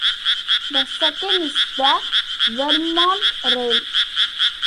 The second is the Vermont Rail.